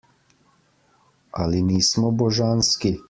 Ali nismo božanski?